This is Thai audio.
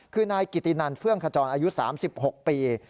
คือนายกิตินันเฟื่องขจรอายุ๓๖ปี